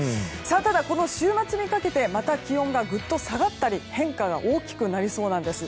ただ、週末にかけてまた気温がぐっと下がったり変化が大きくなりそうです。